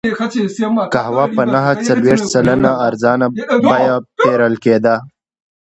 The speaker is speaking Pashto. قهوه په نهه څلوېښت سلنه ارزانه بیه پېرل کېده.